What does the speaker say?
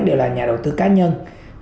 đều là nhà đầu tư cá nhân